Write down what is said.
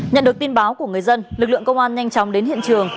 nhận được tin báo của người dân lực lượng công an nhanh chóng đến hiện trường